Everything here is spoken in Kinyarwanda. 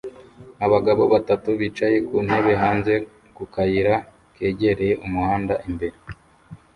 Abagabo batatu bicaye ku ntebe hanze ku kayira kegereye umuhanda imbere